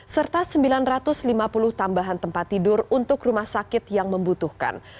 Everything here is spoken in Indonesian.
serta sembilan ratus lima puluh tambahan tempat tidur untuk rumah sakit yang membutuhkan